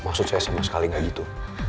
maksud saya sama sekali nggak gitu